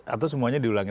atau semuanya diulangi